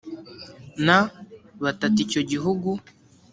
n batata icyo gihugu